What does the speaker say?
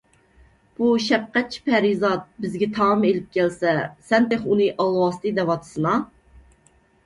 بۇ شەپقەتچى پەرىزات بىزگە تائام ئېلىپ كەلسە، سەن تېخى ئۇنى ئالۋاستى دەۋاتىسىنا؟